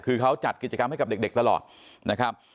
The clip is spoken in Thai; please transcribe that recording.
คือเขาจัดกิจกรรมให้กับเด็กตลอดนะครับ